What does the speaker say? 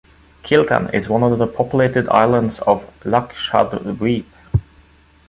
Kiltan is one of the populated islands of Lakshadweep.